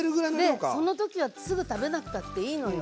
でその時はすぐ食べなくたっていいのよ。